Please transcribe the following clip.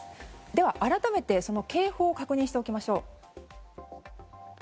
では、改めて警報を確認しておきましょう。